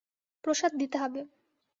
প্রসাদ দিতে হবে।